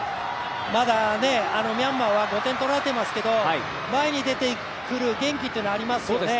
まだ、ミャンマーは５点取られていますけど前に出ていく元気というのはありますので。